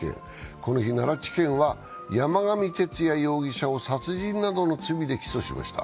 この日奈良地検は山上徹也容疑者を殺人などの罪で起訴しました。